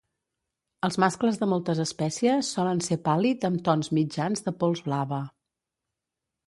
Els mascles de moltes espècies solen ser pàl·lid amb tons mitjans de pols blava.